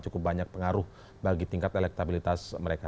cukup banyak pengaruh bagi tingkat elektabilitas mereka